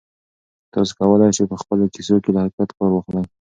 تاسي کولای شئ په خپلو کیسو کې له حقیقت کار واخلئ.